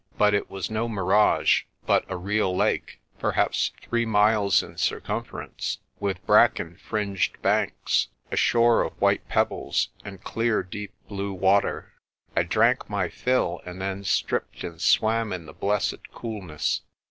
But it was no mirage, but a real lake, perhaps three miles in circumference, with bracken fringed banks, a shore of white pebbles, and clear deep blue water. I drank my fill, and then stripped and swam in the blessed coolness.